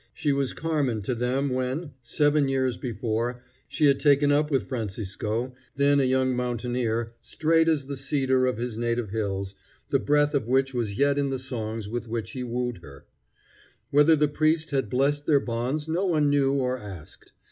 She was Carmen to them when, seven years before, she had taken up with Francisco, then a young mountaineer straight as the cedar of his native hills, the breath of which was yet in the songs with which he wooed her. Whether the priest had blessed their bonds no one knew or asked.